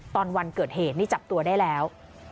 ตอนวันเกิดเหตุนี่จับตัวได้แล้ว